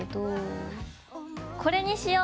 これにしよう！